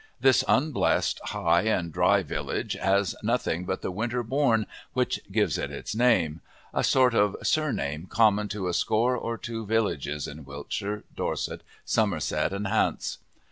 This unblessed, high and dry village has nothing but the winter bourne which gives it its name; a sort of surname common to a score or two of villages in Wiltshire, Dorset, Somerset, and Hants.